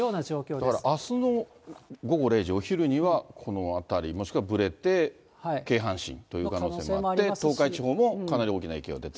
だからあすの午後０時、お昼にはこの辺り、もしくはぶれて、京阪神という可能性もあって、東海地方もかなり大きな影響が出てくる。